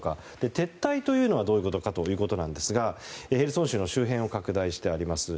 撤退というのはどういうことかということですがヘルソン州の周辺を拡大しています。